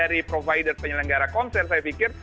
tidak hanya dari provider penyelenggara konser saya pikir